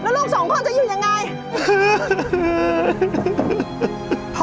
แล้วลูกสองคนจะอยู่ยังไง